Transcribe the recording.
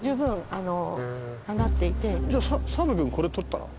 じゃあ澤部君これ採ったら？